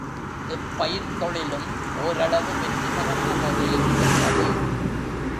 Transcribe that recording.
இப்பயிர்த் தொழிலும் ஓரளவு வெற்றிகரமாகவே இருந்தது.